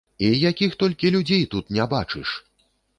І якіх толькі людзей тут не бачыш!